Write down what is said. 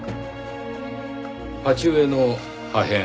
鉢植えの破片